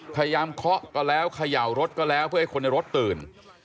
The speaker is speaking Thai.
เคาะก็แล้วเขย่ารถก็แล้วเพื่อให้คนในรถตื่น